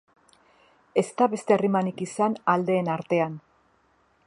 Ez da beste harremanik izan aldeen artean.